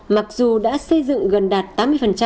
mặc dù đã xây dựng gần đạt tám mươi